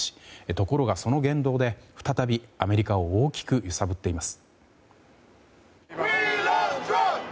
ところがその言動で再びアメリカを大きく揺さぶっています。